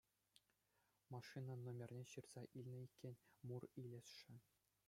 Машина номерне ҫырса илнӗ иккен, мур илесшӗ.